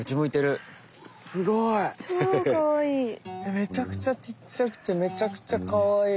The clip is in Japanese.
めちゃくちゃちっちゃくてめちゃくちゃカワイイ。